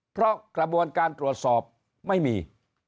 เพราะกระบวนการตรวจสอบไม่มี